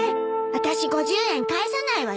私５０円返さないわよ。